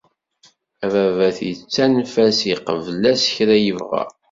Ababat yettanef-as iqebbel-as kra yebɣa.